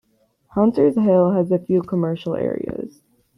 Hunters Hill has a few commercial areas.